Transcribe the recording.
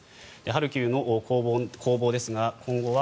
ハルキウの攻防ですが今後は